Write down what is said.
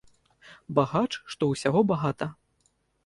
Багач, што ўсяго багата.